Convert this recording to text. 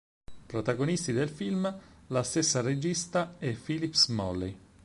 Protagonisti del film, la stessa regista e Phillips Smalley.